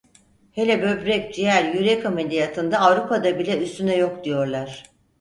Hele böbrek, ciğer, yürek ameliyatında Avrupa'da bile üstüne yok diyorlar.